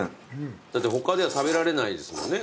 だって他では食べられないですもんね